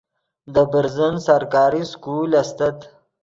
دے برزن سرکاری سکول استت